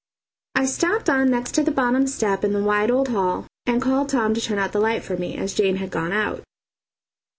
I stopped on next to the bottom step in the wide old hall and called Tom to turn out the light for me, as Jane had gone out.